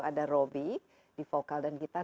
ada robby di vokal dan gitar